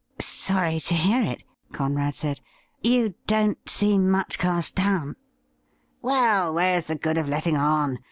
' Sorry to hear it,' Conrad said. ' You don't seem much cast down.' 'Well, where's the good of letting on?